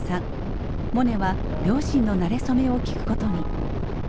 モネは両親のなれ初めを聞くことに。